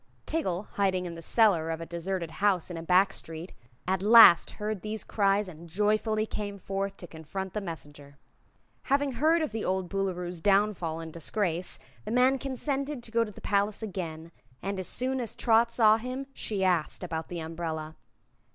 Tiggle, hiding in the cellar of a deserted house in a back street, at last heard these cries and joyfully came forth to confront the messenger. Having heard of the old Boolooroo's downfall and disgrace, the man consented to go to the palace again, and as soon as Trot saw him she asked about the umbrella.